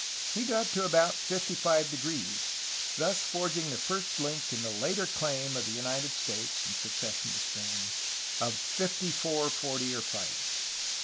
He got to about 55°, thus forging the first link in the later claim of the United States (in succession to Spain) of ^'fifty four forty or fight."